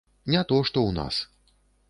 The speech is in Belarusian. Не то што ў нас.